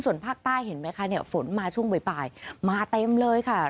ส่วนภาคใต้เห็นไหมคะเนี่ยฝนมาช่วงบ่ายมาเต็มเลยค่ะ